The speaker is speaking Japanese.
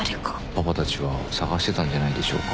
「パパたちは探してたんじゃないでしょうか？」